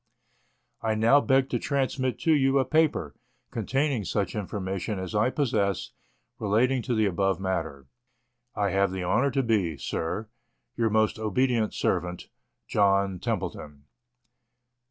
I now beg to transmit to you a paper, containing such infor mation as I possess, relating to the above matter. I have the honour to be, Sir, Your most obedient servant, JOHN TEMPLETON.